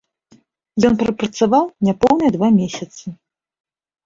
Ён прапрацаваў няпоўныя два месяцы.